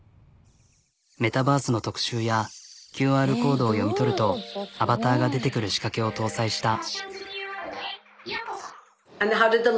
メタバースの特集やＱＲコードを読み取るとアバターが出てくる仕掛けを搭載した。